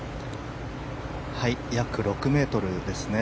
約６ｍですね。